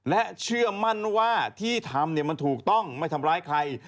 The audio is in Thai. และเชื่อมั่นว่าที่ทำมันถูกต้องไม่ทำร้ายใคร